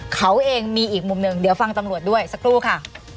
เขาเองมีอีกมุมหนึ่งเดี๋ยวฟังตำรวจด้วยสักครู่ค่ะ